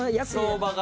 相場が？